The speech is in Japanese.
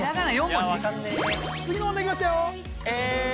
分かんね次の問題きましたよ